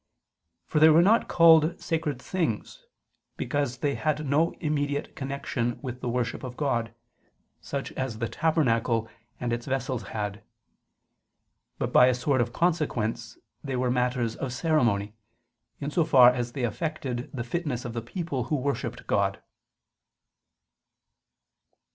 For they were not called sacred things, because they had no immediate connection with the worship of God, such as the tabernacle and its vessels had. But by a sort of consequence they were matters of ceremony, in so far as they affected the fitness of the people who worshipped God.